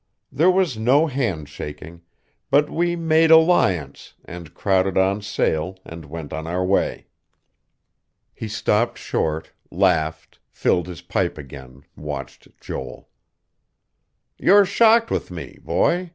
There was no handshaking; but we made alliance, and crowded on sail, and went on our way." He stopped short, laughed, filled his pipe again, watched Joel. "You're shocked with me, boy.